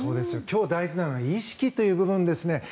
今日大事なのは意識という部分ですね。